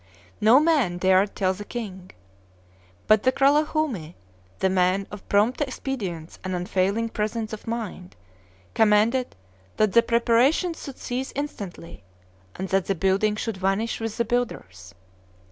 No man dared tell the king. But the Kralahome that man of prompt expedients and unfailing presence of mind commanded that the preparations should cease instantly, and that the building should vanish with the builders.